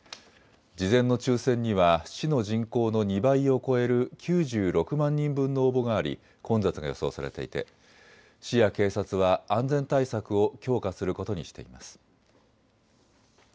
事前の抽せんには市の人口の２倍を超える９６万人分の応募があり混雑が予想されていて市や警察は安全対策を強化することにしています。